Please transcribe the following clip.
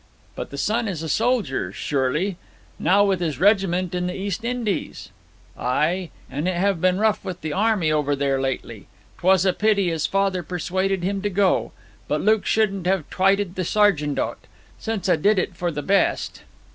'But the son is a soldier, surely; now with his regiment in the East Indies?' 'Ay. And it have been rough with the army over there lately. 'Twas a pity his father persuaded him to go. But Luke shouldn't have twyted the sergeant o't, since 'a did it for the best.'